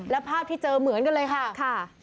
แล้วภาพที่เจอเหมือนกันเลยค่ะ